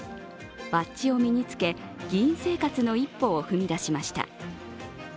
バッジを身に付け、議員生活の一歩を踏み出しました。